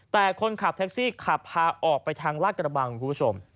แต่คนขับแท็กซี่ขับพาออกไปทางลาดกระบังคุณผู้ชม